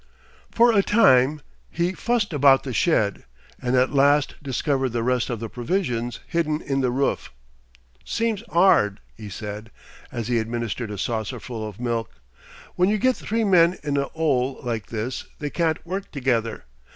For a time he fussed about the shed, and at last discovered the rest of the provisions hidden in the roof. "Seems 'ard," he said, as he administered a saucerful of milk, "when you get three men in a 'ole like this, they can't work together.